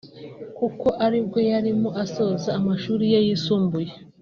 Kuko aribwo yarimo asoza amashuri ye yisumbuye